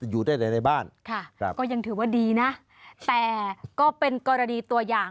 อยู่ได้ในบ้านค่ะครับก็ยังถือว่าดีนะแต่ก็เป็นกรณีตัวอย่าง